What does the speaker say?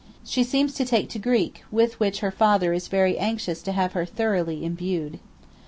She seems to take to Greek, with which her father is very anxious to have her thoroughly imbued.